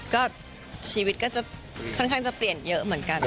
ก็ชีวิตก็จะเพียงเยอะเหมือนกัน